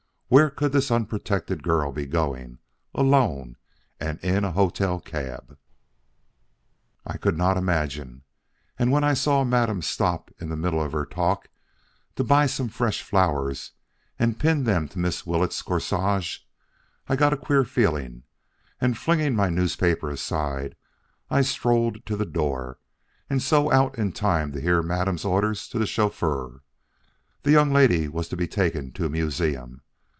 Where could this unprotected girl be going, alone and in a hotel cab? "I could not imagine, and when I saw Madame stop in the middle of her talk to buy some fresh flowers and pin them to Miss Willetts' corsage, I got a queer feeling, and flinging my newspaper aside, I strolled to the door and so out in time to hear Madame's orders to the chauffeur. The young lady was to be taken to a museum.